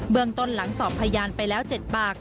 เมืองต้นหลังสอบพยานไปแล้ว๗ปาก